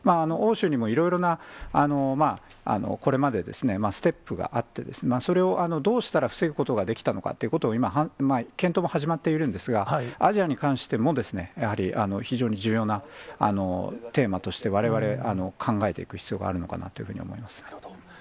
欧州にもいろいろな、これまでですね、ステップがあって、それをどうしたら防ぐことができたのかということを、今、検討も始まっているんですが、アジアに関しても、やはり非常に重要なテーマとして、われわれ考えていく必要があるのかなっていうふうに思います。